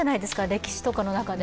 歴史とかの中で。